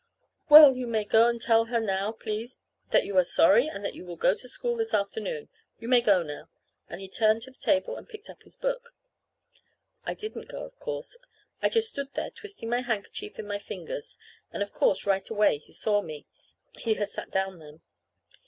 "Well, you may go and tell her now, please, that you are sorry, and that you will go to school this afternoon. You may go now." And he turned to the table and picked up his book. I didn't go, of course. I just stood there twisting my handkerchief in my fingers; and, of course, right away he saw me. He had sat down then.